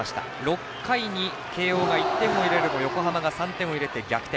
６回に慶応が１点を入れるも横浜が３点を入れて逆転。